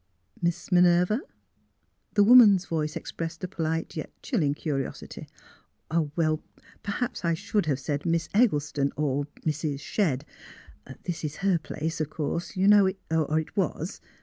" Miss — Minerva? " The woman's voice expressed a polite, yet chill ing curiosity. '' Perhaps I should have said Miss Eggleston, or — Mrs. Shedd. This is her place, of course you know, — or was.